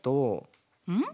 うん？